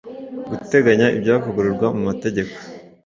guteganya ibyavugururwa mu mategeko